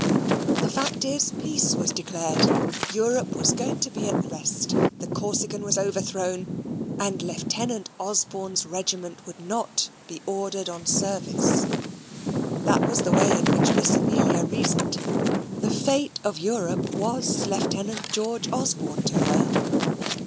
The fact is, peace was declared, Europe was going to be at rest; the Corsican was overthrown, and Lieutenant Osborne's regiment would not be ordered on service. That was the way in which Miss Amelia reasoned. The fate of Europe was Lieutenant George Osborne to her.